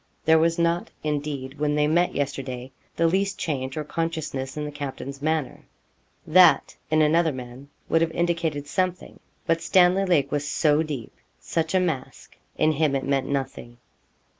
There was not, indeed, when they met yesterday, the least change or consciousness in the captain's manner. That, in another man, would have indicated something; but Stanley Lake was so deep such a mask in him it meant nothing.